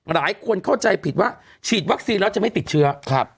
หลายคนเข้าใจผิดว่าฉีดวัคซีนแล้วจะไม่ติดเชื้อ